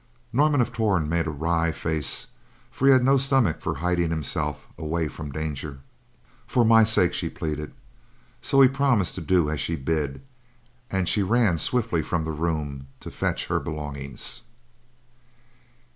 Norman of Torn made a wry face, for he had no stomach for hiding himself away from danger. "For my sake," she pleaded. So he promised to do as she bid, and she ran swiftly from the room to fetch her belongings.